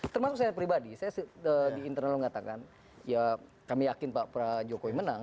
termasuk saya pribadi saya di internal mengatakan ya kami yakin pak jokowi menang